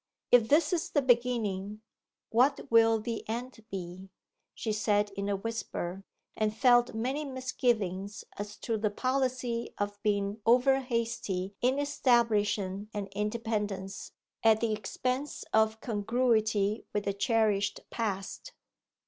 'If this is the beginning, what will the end be!' she said in a whisper, and felt many misgivings as to the policy of being overhasty in establishing an independence at the expense of congruity with a cherished past.